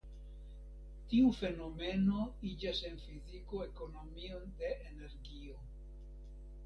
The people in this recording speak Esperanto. Tiu fenomeno iĝas en fiziko ekonomion de energio.